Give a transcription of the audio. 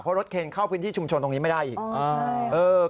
เพราะรถเคนเข้าพื้นที่ชุมชนตรงนี้ไม่ได้อีก